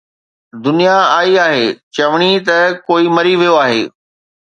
دنيا آئي آهي چوڻي ته ڪوئي مري ويو آهي